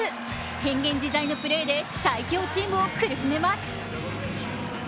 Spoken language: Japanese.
変幻自在のプレーで最強チームを苦しめます。